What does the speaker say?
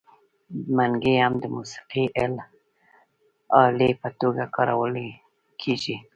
منګی هم د موسیقۍ الې په توګه کارول کیږي.